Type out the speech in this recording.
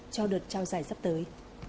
cho đợt trao giải sắp tới